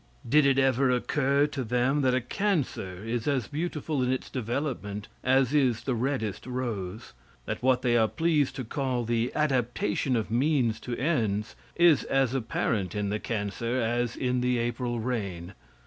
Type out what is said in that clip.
Did it ever occur to them that a cancer is as beautiful in its development as is the reddest rose? That what they are pleased to call the adaptation of means to ends, is as apparent in the cancer as in the April rain?